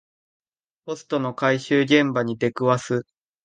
ポストの回収現場に出くわす